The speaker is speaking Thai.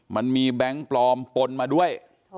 มันมีแบงก์ปลอมปนมาด้วย